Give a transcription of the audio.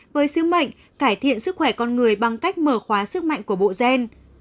với sứ mệnh cải thiện sức khỏe con người bằng cách mở khóa sức mạnh của bộ gen